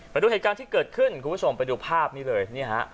ไปดูเหตุการณ์ที่เกิดขึ้นคุณผู้ชมไปดูภาพนี้เลยนี่ฮะ